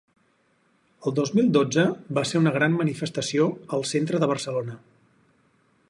El dos mil dotze, va ser una gran manifestació al centre de Barcelona.